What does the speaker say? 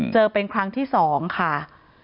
เจอเป็นครั้งที่๒ค่ะ